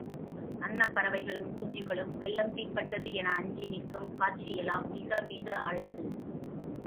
அன்னப் பறவைகளும் குஞ்சுகளும் வெள்ளம் தீப்பட்டது என அஞ்சி நிற்கும் காட்சியெல்லாம் மிக மிக அழகு.